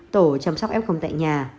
tổ chăm sóc f tại nhà